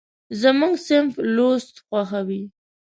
زموږ صنف لوست خوښوي.